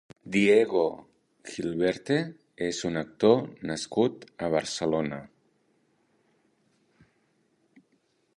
Diego Gilberte és un actor nascut a Barcelona.